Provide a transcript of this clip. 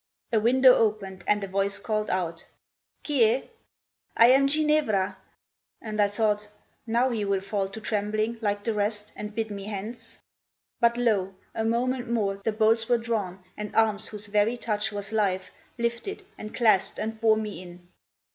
A window opened, and a voice called out: "Qui e?" "I am Ginevra." And I thought, "Now he will fall to trembling, like the rest, And bid me hence." But, lo! a moment more The bolts were drawn, and arms whose very touch Was life, lifted and clasped and bore me in.